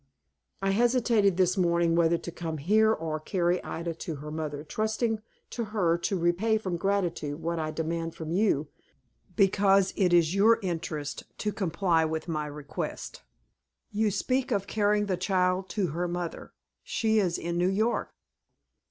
I hesitated this morning whether to come here, or carry Ida to her mother, trusting to her to repay from gratitude what I demand from you, because it is your interest to comply with my request." "You speak of carrying the child to her mother. She is in New York."